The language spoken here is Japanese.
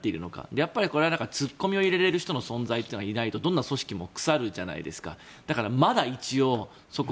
やっぱりこれはツッコミを入れれる人の存在というのがいないとどんな組織も腐るじゃないですか。